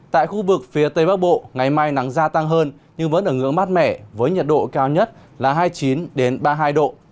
tại khu vực phía tây bắc bộ ngày mai nắng gia tăng hơn nhưng vẫn ở ngưỡng mát mẻ với nhiệt độ cao nhất là hai mươi chín ba mươi hai độ